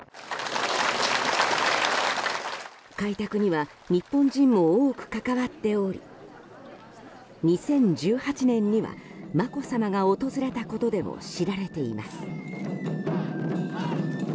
開拓には日本人も多く関わっており２０１８年には、眞子さまが訪れたことでも知られています。